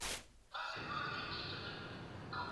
viazi lishe vyaweza kuuzwa na kupata kipato